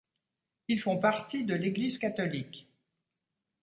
Ils font partie de l'Église catholique.